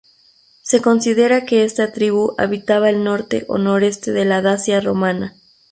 Se considera que esta tribu habitaba el norte o noreste de la Dacia romana.